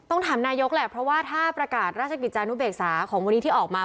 ถามนายกแหละเพราะว่าถ้าประกาศราชกิจจานุเบกษาของวันนี้ที่ออกมา